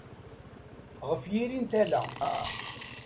Ɣef yiri n tala.